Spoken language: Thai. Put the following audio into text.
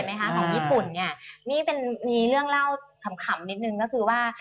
ไหมคะของญี่ปุ่นเนี่ยนี่เป็นมีเรื่องเล่าขำนิดนึงก็คือว่า